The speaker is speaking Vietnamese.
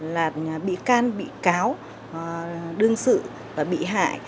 là bị can bị cáo đương sự và bị hại